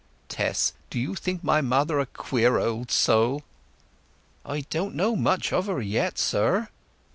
Tess, do you think my mother a queer old soul?" "I don't know much of her yet, sir."